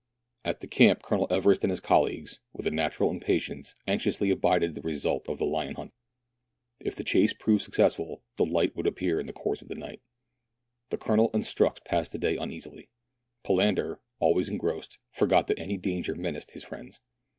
At the camp Colonel Everest and his colleagues, with a natural impatience, anxiously abided the result of the lion hunt. If the chase proved successful, the light would appear in the course of the night The Colonel and Strux passed the day uneasily; Palander, always engrossed, forgot that any danger menaced his friends.